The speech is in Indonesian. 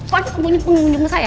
pokoknya kamu nyipu ngunjung ke saya